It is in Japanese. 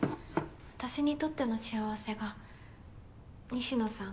私にとっての幸せが西野さん